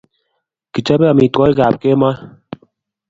Kichopei amitwokik ab kemoi